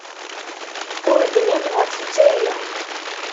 Ur bniɣ ɣef tuttra-a.